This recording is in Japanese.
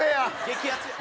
激アツや！